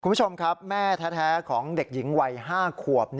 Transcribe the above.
คุณผู้ชมครับแม่แท้ของเด็กหญิงวัย๕ขวบ